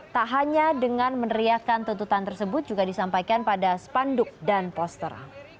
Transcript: tak hanya dengan meneriakan tuntutan tersebut juga disampaikan pada spanduk dan poster